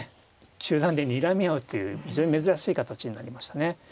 中段でにらみ合うという非常に珍しい形になりましたね。